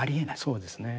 そうですね。